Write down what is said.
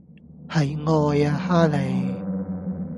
係愛呀哈利